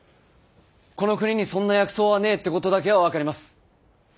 この国にそんな薬草はねぇってことだけは分かります。